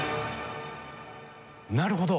なるほど。